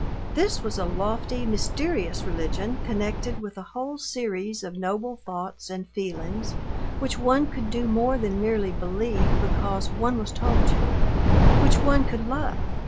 This was a lofty, mysterious religion connected with a whole series of noble thoughts and feelings, which one could do more than merely believe because one was told to, which one could love.